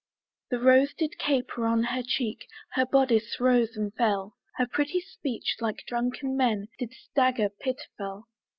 The rose did caper on her cheek, Her bodice rose and fell, Her pretty speech, like drunken men, Did stagger pitiful.